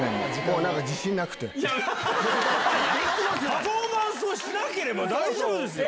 パフォーマンスしなければ大丈夫ですよ！